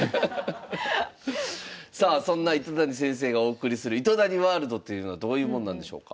さあそんな糸谷先生がお送りする「糸谷ワールド」というのはどういうもんなんでしょうか？